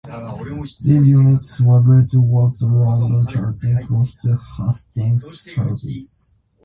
These units were built to work the London Charing Cross to Hastings services.